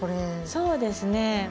そうですね。